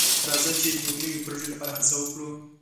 راځه چې د یو نوي پروژې لپاره هڅه وکړو.